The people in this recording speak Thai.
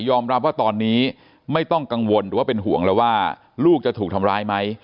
ว่าตอนนี้ไม่ต้องกังวลหรือว่าเป็นห่วงแล้วว่าลูกจะถูกทำร้ายไหม